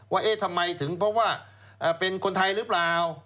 ว่าเอ๊ะทำไมถึงเพราะว่าเป็นคนไทยหรือเปล่า